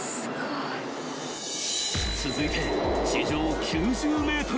［続いて地上９０ｍで］